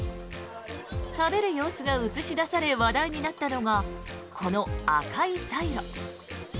食べる様子が映し出され話題になったのがこの赤いサイロ。